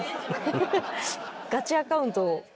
ガチアカウントを。